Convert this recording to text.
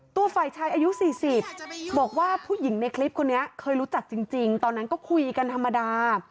ตัวฝ่ายชายอายุ๔๐บอกว่าผู้หญิงในคลิปคนนี้เคยรู้จักจริงตอนนั้นก็คุยกันธรรมดา